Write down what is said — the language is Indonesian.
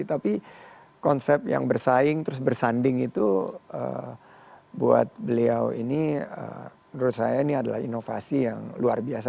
tapi konsep yang bersaing terus bersanding itu buat beliau ini menurut saya ini adalah inovasi yang luar biasa